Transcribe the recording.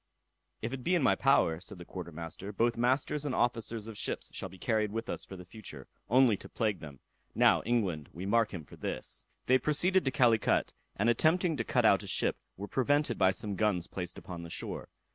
"If it be in my power," said the quarter master, "both masters and officers of ships shall be carried with us for the future, only to plague them. Now, England, we mark him for this." They proceeded to Calicut, and attempting to cut out a ship, were prevented by some guns placed upon the shore.